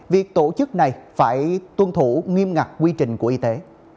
việc tổ chức này phải tuân thủ nghiêm ngặt quy trình của y tế